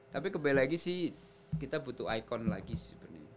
tapi kembali lagi sih kita butuh ikon lagi sebenarnya